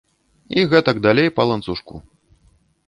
І гэтак далей па ланцужку.